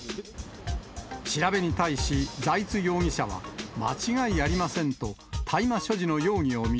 調べに対し財津容疑者は、間違いありませんと大麻所持の容疑を認